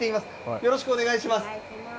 よろしくお願いします。